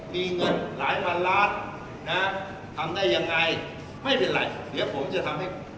มีเงินหลายพันล้านนะทำได้ยังไงไม่เป็นไรเดี๋ยวผมจะทำให้